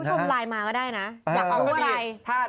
คุณผู้ชมไลน์มาก็ได้นะอาอุวิวอะไร